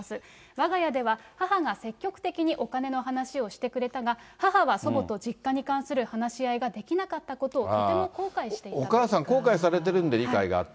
わが家では、母が積極的にお金の話をしてくれたが、母は祖母と実家に関する話し合いができなかったことをとても後悔お母さん、後悔されてるんで理解があった。